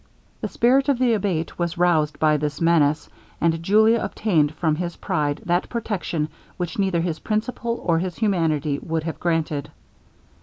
The spirit of the Abate was roused by this menace; and Julia obtained from his pride, that protection which neither his principle or his humanity would have granted.